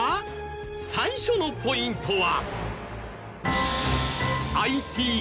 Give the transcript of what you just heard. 最初のポイントは